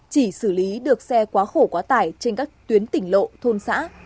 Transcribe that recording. chỉ xử lý được xe quá khổ quá tải trên các tuyến tỉnh lộ thôn xã